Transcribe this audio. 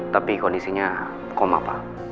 tapi kondisinya koma pak